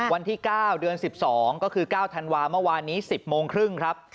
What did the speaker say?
วันที่๙เดือน๑๒ก็คือ๙ธันวาเมื่อวานนี้๑๐โมงครึ่งครับ